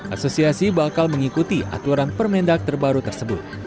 asosiasi bakal mengikuti aturan permendak terbaru tersebut